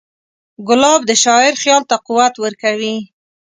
ګلاب د شاعر خیال ته قوت ورکوي.